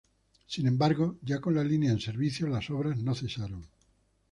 Sin embargo, ya con la línea en servicio, las obras no cesaron.